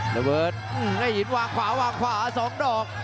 โลเวิร์ดให้หยินวางขวา๒ดอก